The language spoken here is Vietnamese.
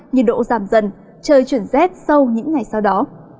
nhiệt độ giảm dần trời chuyển rét sâu những ngày sau đó